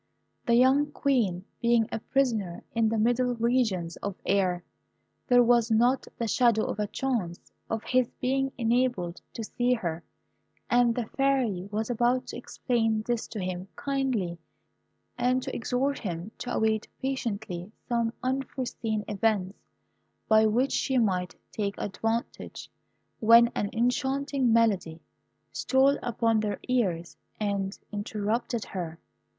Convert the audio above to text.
The young Queen being a prisoner in the middle regions of air, there was not the shadow of a chance of his being enabled to see her; and the Fairy was about to explain this to him kindly, and to exhort him to await patiently some unforeseen events, of which she might take advantage, when an enchanting melody stole upon their ears and interrupted her.